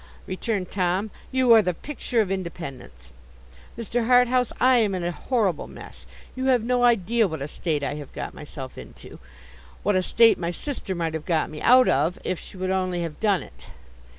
returned Tom. 'You are the picture of independence. Mr. Harthouse, I am in a horrible mess. You have no idea what a state I have got myself into—what a state my sister might have got me out of, if she would only have done it.